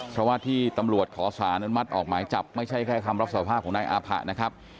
เพราะว่าที่ตำรวจขอสารอนุมัติออกหมายจับไม่ใช่แค่คำรับสภาพของนายอาผะนะครับ